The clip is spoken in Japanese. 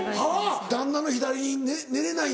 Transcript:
旦那の左に寝れないんだ。